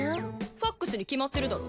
ファックスに決まってるだろ。